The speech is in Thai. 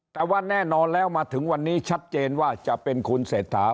แต่ว่าแน่นอนแล้วมาถึงวันนี้ชัดเจนว่าจะเป็นคุณเศรษฐา